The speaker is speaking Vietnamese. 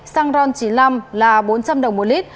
xăng ron chín mươi năm là bốn trăm linh đồng một lít